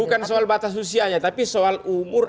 bukan soal batas usianya tapi soal umur